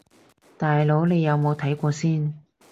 大佬你有冇睇過先